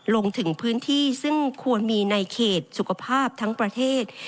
ลงถึงพื้นที่ซึ่งควรมีในเขตสุขภาพทั้งประเทศ